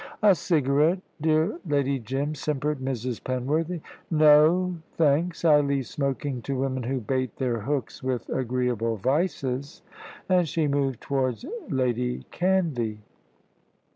"A cigarette, dear Lady Jim?" simpered Mrs. Penworthy. "No, thanks; I leave smoking to women who bait their hooks with agreeable vices"; and she moved towards Lady Canvey.